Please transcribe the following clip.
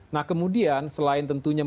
nah kemudian selain tentunya